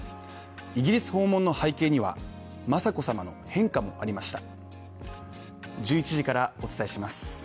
イギリス訪問の背景には雅子さまの変化もありました